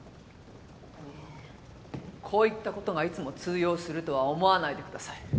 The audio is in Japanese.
こういった事がいつも通用するとは思わないでください。